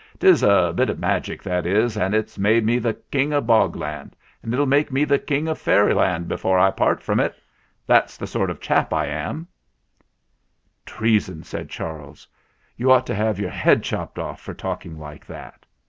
" 'Tis a bit of magic, that is, and it's made me the King of Bog Land, and it'll make me the King of Fairyland before I part from it. That's the sort of chap I am." THE GALLOPER 211 "Treason!" said Charles. "You ought 10 have your head chopped off for talking like that."